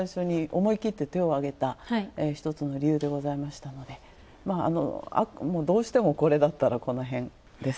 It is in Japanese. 思い切って手を上げたひとつの理由でございましたのでどうしてもこれだったら、このへんです。